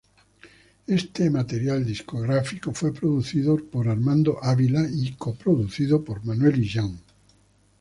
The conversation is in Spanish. Éste material discográfico fue producido por Armando Ávila y co-producido por Manuel Illán.